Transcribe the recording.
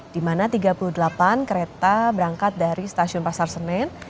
di mana tiga puluh delapan kereta berangkat dari stasiun pasar senen